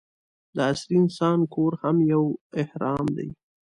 د عصري انسان کور هم یو اهرام دی.